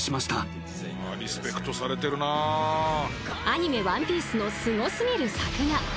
［アニメ『ワンピース』のすご過ぎる作画］